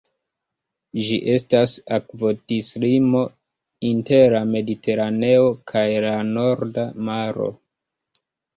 Ĝi estas akvodislimo inter la Mediteraneo kaj la Norda Maro.